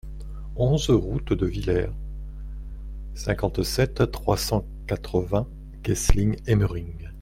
onze route de Viller, cinquante-sept, trois cent quatre-vingts, Guessling-Hémering